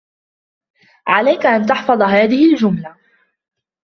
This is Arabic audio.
عليك أن تحفظ هذه الجملة.